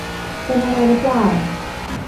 เป็นอะไรหรือเปล่า